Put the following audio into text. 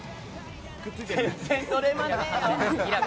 全然取れません！